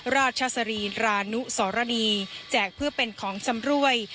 ราชสรีรานุสรณีแจกเพื่อเป็นของชำรวย